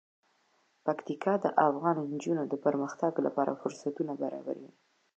پکتیکا د افغان نجونو د پرمختګ لپاره فرصتونه برابروي.